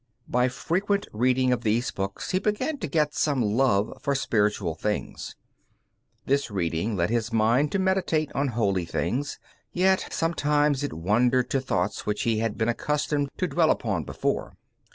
By frequent reading of these books he began to get some love for spiritual things. This reading led his mind to meditate on holy things, yet sometimes it wandered to thoughts which he had been accustomed to dwell upon before.